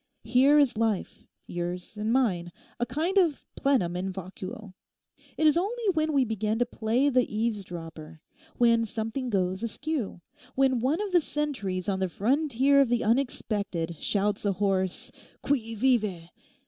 Here is life—yours and mine—a kind of plenum in vacuo_. It is only when we begin to play the eavesdropper; when something goes askew; when one of the sentries on the frontier of the unexpected shouts a hoarse "Qui vive?"